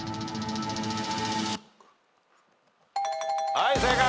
はい正解。